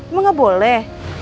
emang gak boleh